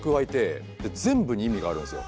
全部に意味があるんですよ。